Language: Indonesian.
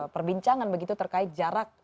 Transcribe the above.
perbincangan begitu terkait jarak